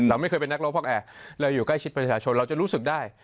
เราไม่เคยเป็นนักรบพอกแอร์เราอยู่ใกล้ชิดประชาชนเราจะรู้สึกได้